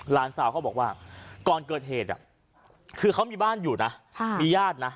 หลานสาวเขาบอกว่าก่อนเกิดเหตุคือเขามีบ้านอยู่นะมีญาตินะ